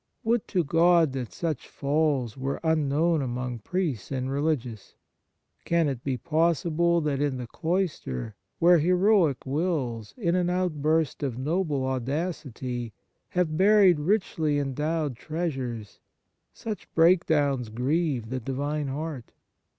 Would to God that such falls were unknown among priests and religious ! Can it be possible that in the cloister, where heroic wills, in an outburst of noble audacity, have buried richly endowed characters, such breakdowns grieve the divine heart